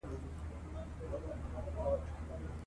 سیلانی ځایونه د افغانستان د صنعت لپاره مواد برابروي.